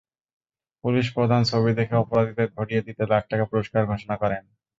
পুলিশপ্রধান ছবি দেখে অপরাধীদের ধরিয়ে দিতে লাখ টাকা পুরস্কার ঘোষণা করেন।